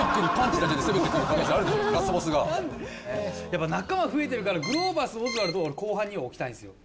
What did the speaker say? やっぱ仲間増えてるからグローバスオズワルドを俺後半には置きたいんですよ。